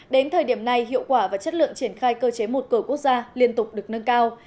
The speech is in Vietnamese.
đến thời điểm này hiệu quả và chất lượng triển khai cơ chế một cửa quốc gia liên tục được nâng cao